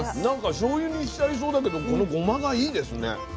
なんかしょうゆにしちゃいそうだけどこのごまがいいですね。